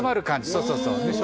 そうそう。